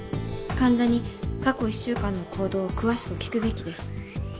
患者に過去１週間の行動を詳しく聞くべきです。